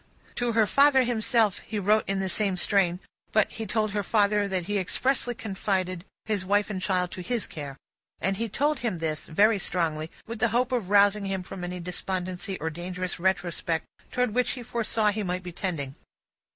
To her father himself, he wrote in the same strain; but, he told her father that he expressly confided his wife and child to his care. And he told him this, very strongly, with the hope of rousing him from any despondency or dangerous retrospect towards which he foresaw he might be tending.